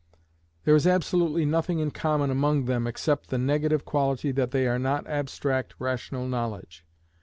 There is absolutely nothing in common among them except the negative quality that they are not abstract rational knowledge.